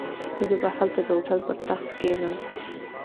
زه به هلته د هوټل پر تخت کښېنم.